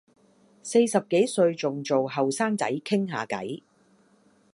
四十幾歲仲做後生仔傾吓偈